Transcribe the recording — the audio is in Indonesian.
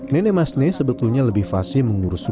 nenek masneh sebetulnya lebih fasil menguruskan